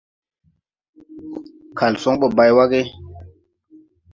Kalson bo bay wa ge?